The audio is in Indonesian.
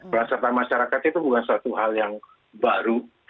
peran serta masyarakat itu bukan suatu hal yang baru